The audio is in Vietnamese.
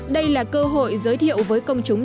đây là cơ hội giới thiệu với công chúng